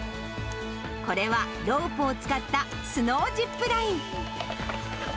これは、ロープを使ったスノージップライン。